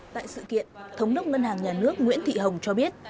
tại sự kiện thống đốc ngân hàng nhà nước nguyễn thị hồng cho biết